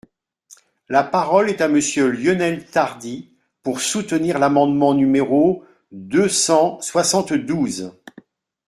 La parole est à Monsieur Lionel Tardy, pour soutenir l’amendement numéro deux cent soixante-douze.